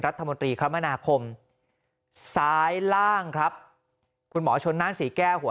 รัฐมนตรีคมนาคมซ้ายล่างครับคุณหมอชนนั่นศรีแก้วหัว